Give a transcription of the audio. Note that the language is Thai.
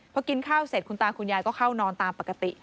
พอกินข้าวเสร็จคุณตาคุณยายก็เข้านอนตามปกติ